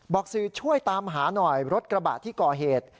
สื่อช่วยตามหาหน่อยรถกระบะที่ก่อเหตุ